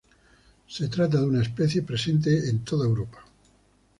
Se trata de una especie presente en toda Europa.